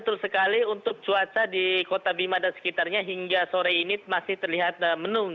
betul sekali untuk cuaca di kota bima dan sekitarnya hingga sore ini masih terlihat menung